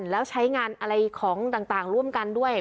แล้วใช้งานอะไรของต่างร่วมกันด้วย